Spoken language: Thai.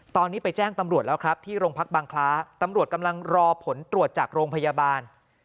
ตอนนี้ไปแจ้งตำรวจแล้วครับที่โรงพักบางคล้าตำรวจกำลังรอผลตรวจจากโรงพยาบาล